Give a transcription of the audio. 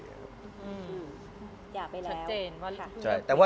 อยากไปแล้ว